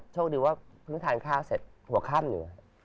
โชคดีว่าเพิ่งทานข้าวเสร็จหัวข้ามเหนือ